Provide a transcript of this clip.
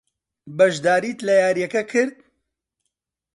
بەشداریت لە یارییەکە کرد؟